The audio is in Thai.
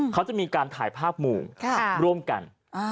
เขาจะมีการถ่ายภาพมุมร่วมกัน